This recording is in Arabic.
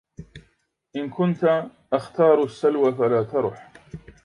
إن كنت أختار السلو فلا ترح